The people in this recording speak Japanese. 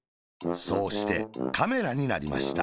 そうして、カメラになりました。